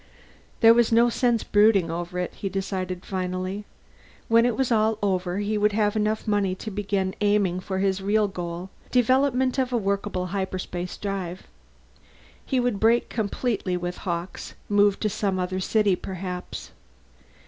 There was no sense brooding over it, he decided finally. When it was all over he would have enough money to begin aiming for his real goal, development of a workable hyperspace drive. He would break completely with Hawkes, move to some other city perhaps.